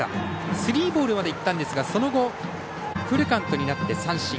スリーボールまでいったんですがその後フルカウントになって三振。